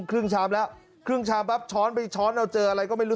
ครึ่งชามแล้วครึ่งชามปั๊บช้อนไปช้อนเราเจออะไรก็ไม่รู้